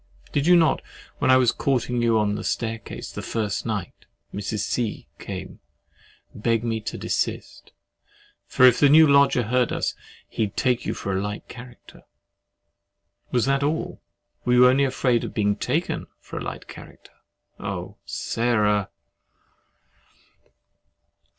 Did you not, when I was courting you on the staircase the first night Mr. C—— came, beg me to desist, for if the new lodger heard us, he'd take you for a light character? Was that all? Were you only afraid of being TAKEN for a light character? Oh! Sarah!